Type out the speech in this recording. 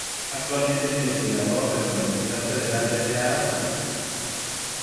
Actualmente es investigador en la Universidad Federal de Ceará, Brasil.